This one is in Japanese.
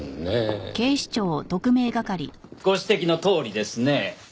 ご指摘のとおりですね。